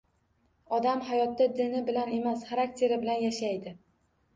Odam hayotda dini bilan emas, xarakteri bilan yashaydi.